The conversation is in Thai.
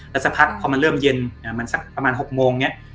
แล้วสักพักพอมันเริ่มเย็นอ่ามันสักประมาณหกโมงเนี้ย